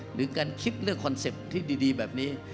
หรือการคิดเรื่องคอนเซ็ปต์ที่ดีแบบนี้